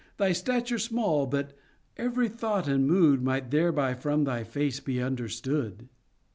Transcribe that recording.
Thy stature small, but every thought and mood Might thereby from thy face be understood.